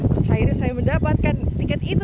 terus akhirnya saya mendapatkan tiket itu